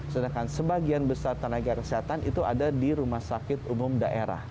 sedangkan sebagian besar tenaga kesehatan itu ada di rumah sakit umum daerah